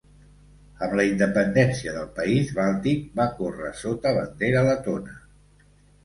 Amb la independència del país bàltic, va córrer sota bandera letona.